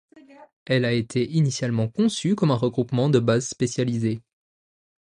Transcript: Elle a été initialement conçue comme un regroupement de bases spécialisées.